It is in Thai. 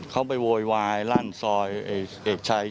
เขาไปโวยวายลั่นซอยเอกชาย๗๖อ่ะ